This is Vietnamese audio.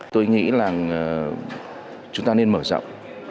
tôi nghĩ là chúng ta nên mở rộng